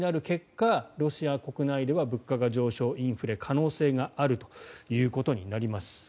結果、ロシア国内では物価が上昇、インフレ可能性があるということです。